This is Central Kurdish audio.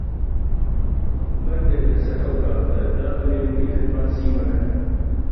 بەردێک لەسەر ئەو بابەتە دابنێن و ئیتر باسی مەکەن.